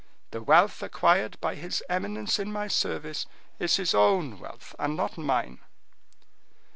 The wealth acquired by his eminence in my service is his own wealth and not mine."